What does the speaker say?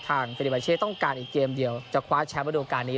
ทางเฟรดาบาเช่นี่ต้องการอีกเกมเดียวจะคว้าแชมป์ในโดยการนี้